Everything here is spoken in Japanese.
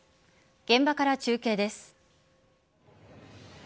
現場から中継です。